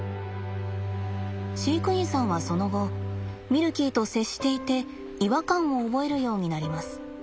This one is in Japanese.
飼育員さんはその後ミルキーと接していて違和感を覚えるようになります。